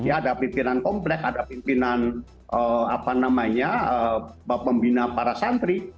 ada pimpinan komplek ada pimpinan pembina para santri